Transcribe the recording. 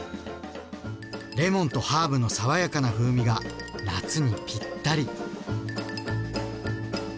レモンとハーブの爽やかな風味が夏にぴったり。